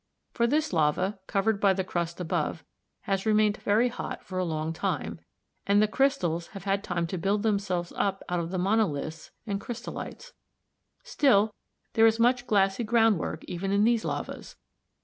For this lava, covered by the crust above, has remained very hot for a long time, and the crystals have had time to build themselves up out of the microliths and crystallites. Still there is much glassy groundwork even in these lavas.